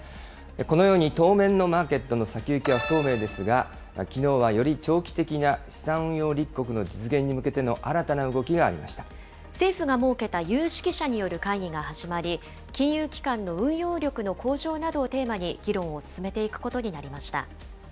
このように当面のマーケットの先行きは不透明ですが、きのうはより長期的な資産運用立国の実現に向けての新たな動きが政府が設けた有識者による会議が始まり、金融機関の運用力の向上などをテーマに、議論を進めていくことになりました。